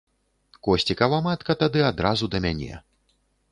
Косцікава матка тады адразу да мяне.